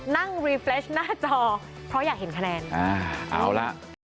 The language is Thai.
นั่งรีเฟรชหน้าจอเพราะอยากเห็นคะแนนอ่าเอาละ